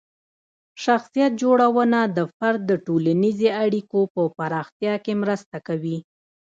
شخصیت جوړونه د فرد د ټولنیزې اړیکو په پراختیا کې مرسته کوي.